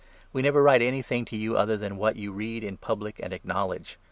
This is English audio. We never write anything to you other than what you 13 read in public apd acknowledge.